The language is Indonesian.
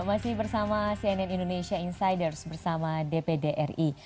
masih bersama cnn indonesia insiders bersama dpri